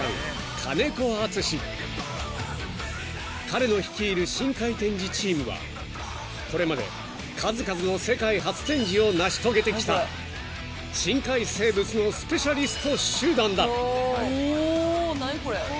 ［彼の率いる深海展示チームはこれまで数々の世界初展示を成し遂げてきた深海生物のスペシャリスト集団だ］